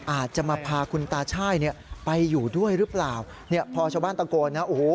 อาจจะมาพาคุณตาช่ายเนี่ยไปอยู่ด้วยหรือเปล่าเนี่ยพอชาวบ้านตะโกนนะโอ้โห